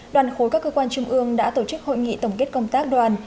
đoàn khối các cơ quan trung ương đã tổ chức hội nghị tổng kết công tác đoàn